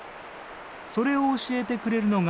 それを教えてくれるのが。